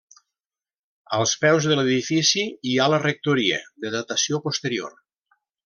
Als peus de l'edifici hi ha la rectoria de datació posterior.